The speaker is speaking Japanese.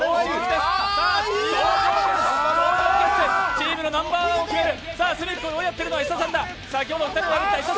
チームのナンバーワンを決める。